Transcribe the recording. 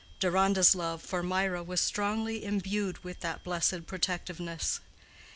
Deronda's love for Mirah was strongly imbued with that blessed protectiveness.